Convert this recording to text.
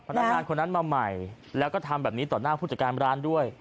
พนักงานคนนั้นมาใหม่แล้วก็ทำแบบนี้ต่อหน้าผู้จัดการร้านด้วย